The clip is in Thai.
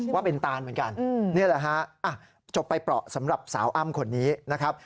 ว่าเป็นตานเหมือนกันนี่แหละฮะจบไปเปราะสำหรับสาวอ้ำคนนี้นะครับ